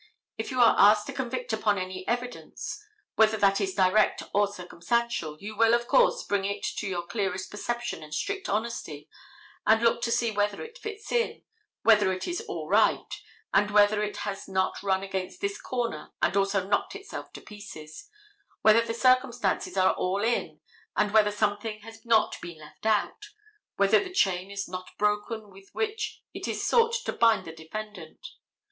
If you are asked to convict upon any evidence, whether that is direct or circumstantial, you will, of course, bring it your clearest perception and strict honesty, and look to see whether it fits in, whether it is all right, and whether it has not run against this corner and also knocked itself to pieces, whether the circumstances are all in and whether something has not been left out, whether the chain is not broken with which it is sought to bind the defendant.